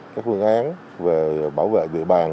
các phương án về bảo vệ địa bàn